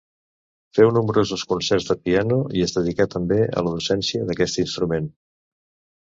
Féu nombrosos concerts de piano i es dedicà també a la docència d'aquest instrument.